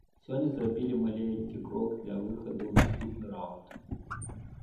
Сёння зрабілі маленькі крок для выхаду ў наступны раўнд.